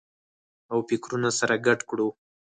او فکرونه سره ګډ کړو